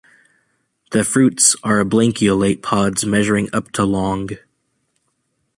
The fruits are oblanceolate pods measuring up to long.